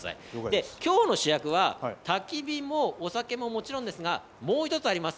で、きょうの主役は、たき火もお酒ももちろんですが、もう１つあります。